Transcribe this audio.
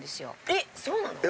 えっそうなの？